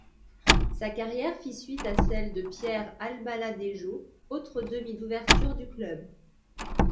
Sa carrière fit suite à celle de Pierre Albaladejo, autre demi d'ouverture du club.